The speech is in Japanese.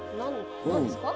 何ですか？